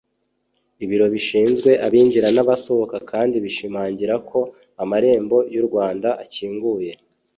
Ibiro bishinzwe abinjira n’abasohoka kandi bishimangira ko amarembo y’u Rwanda akinguye